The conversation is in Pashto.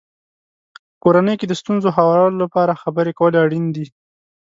په کورنۍ کې د ستونزو هوارولو لپاره خبرې کول اړین دي.